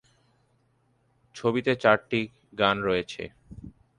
ছবিতে চারটি গান রয়েছে।